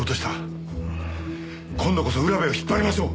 今度こそ浦部を引っ張りましょう。